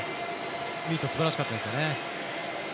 ミート、すばらしかったですね。